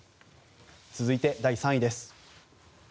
続いて、第３位です。